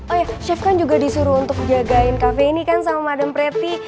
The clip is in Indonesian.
oh iya chef kan juga disuruh untuk jagain cafe ini kan sama madam pretty